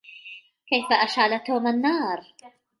كيف أشعل توم النار ؟